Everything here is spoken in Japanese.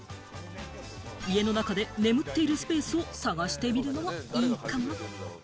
家の中で眠っているスペースを探してみるのもいいかも。